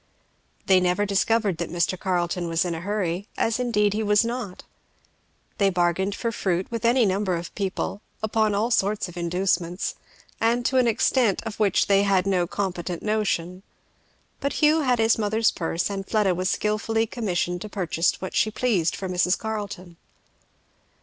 They never discovered that Mr. Carleton was in a hurry, as indeed he was not. They bargained for fruit with any number of people, upon all sorts of inducements, and to an extent of which they had no competent notion, but Hugh had his mother's purse, and Fleda was skilfully commissioned to purchase what she pleased for Mrs. Carleton.